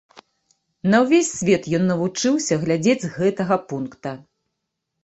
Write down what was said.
На ўвесь свет ён навучыўся глядзець з гэтага пункта.